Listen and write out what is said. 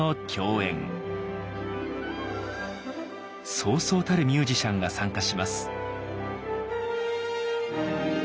そうそうたるミュージシャンが参加します。